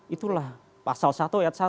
itulah pasal satu ayat satu